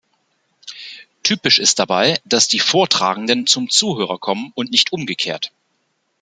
Typisch ist dabei, dass die Vortragenden zum Zuhörer kommen und nicht umgekehrt.